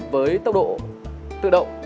với tốc độ tự động